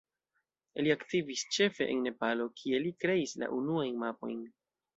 Li aktivis ĉefe en Nepalo, kie li kreis la unuajn mapojn.